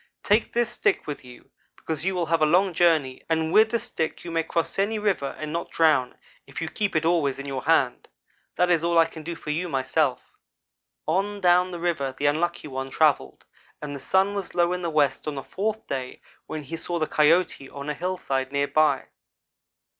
Take this stick with you, because you will have a long journey, and with the stick you may cross any river and not drown, if you keep it always in your hand. That is all I can do for you, myself.' "On down the river the Unlucky one travelled and the sun was low in the west on the fourth day, when he saw the Coyote on a hillside near by.